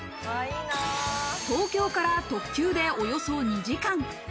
東京から特急でおよそ２時間。